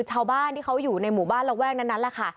ชาวบ้านที่เขาอยู่ในหมู่บ้านระแวกนั้นแหละค่ะ